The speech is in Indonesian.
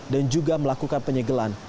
dan juga melakukan penyegelan